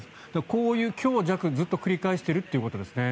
こういう強弱をずっと繰り返しているということですね。